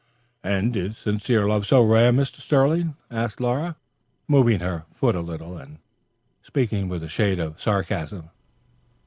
"And is sincere love so rare, Mr. Sterling?" asked Laura, moving her foot a little, and speaking with a shade of sarcasm.